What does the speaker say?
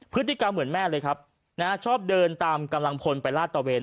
พฤติกรรมเหมือนแม่เลยครับนะฮะชอบเดินตามกำลังพลไปลาดตะเวน